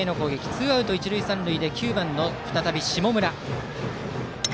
ツーアウト一塁三塁で再び９番の下村。